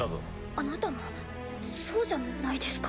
あなたもそうじゃないですか。